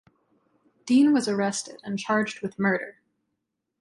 Dean was arrested and charged with murder.